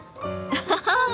アハハ！